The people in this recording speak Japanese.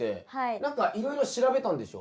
何かいろいろ調べたんでしょ？